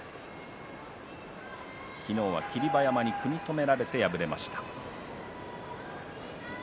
昨日は霧馬山に組み止められて敗れました。